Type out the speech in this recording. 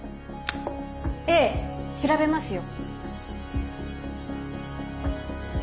ええ調べますよ。